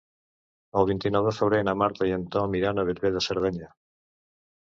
El vint-i-nou de febrer na Marta i en Tom iran a Bellver de Cerdanya.